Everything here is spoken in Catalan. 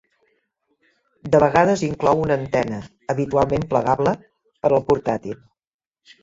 De vegades inclou una antena, habitualment plegable, per al portàtil.